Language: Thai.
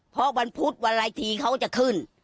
เพราะวันพุธวันละทีเขาจะขึ้น